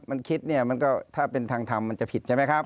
มันคิดเนี่ยมันก็ถ้าเป็นทางทำมันจะผิดใช่ไหมครับ